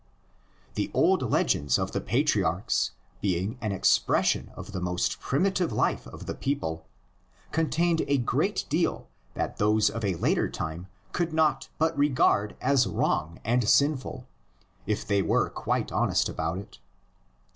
The old legends of the patriarchs, being an expres sion of the most primitive life of the people, con tained a great deal that those of a later time could not but regard as wrong and sinful, if they were quite honest about it.